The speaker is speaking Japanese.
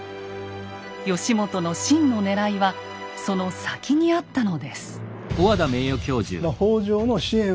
義元の真のねらいはその先にあったのです。